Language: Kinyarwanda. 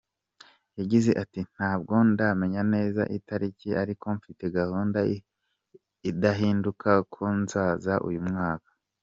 Yagize ati “Ntabwo ndamenya neza itariki ariko mfite gahunda idahinduka ko nzaza uyu mwaka.